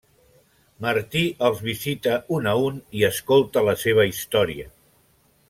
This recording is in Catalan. Martin els visita un a un i escolta la seva història.